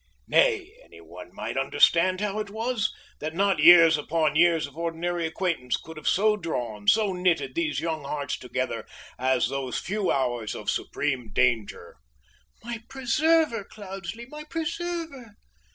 Nay, any one might understand how it was that not years upon years of ordinary acquaintance could have so drawn, so knitted these young hearts together as those few hours of supreme danger. "My preserver, Cloudesley! My preserver!"